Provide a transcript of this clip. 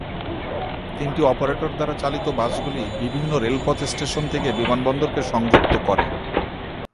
তিনটি অপারেটর দ্বারা চালিত বাসগুলি বিভিন্ন রেলপথ স্টেশন থেকে বিমানবন্দরকে সংযুক্ত করে।